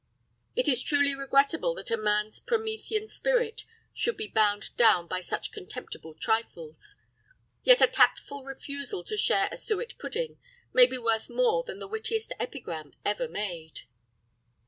It is truly regrettable that a man's Promethean spirit should be bound down by such contemptible trifles. Yet a tactful refusal to share a suet pudding may be worth more than the wittiest epigram ever made.